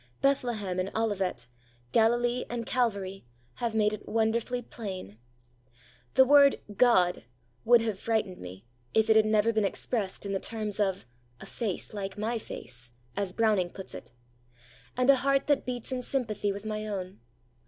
Bethlehem and Olivet, Galilee and Calvary, have made it wonderfully plain. The word GOD would have frightened me if it had never been expressed in the terms of 'a Face like my face' as Browning puts it and a heart that beats in sympathy with my own.